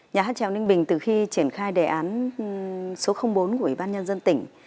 nhà hát trèo ninh bình từ khi triển khai đề án số bốn của ủy ban nhân dân tỉnh